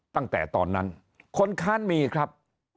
ตั้งแต่ตอนนั้นคนค้านมีครับ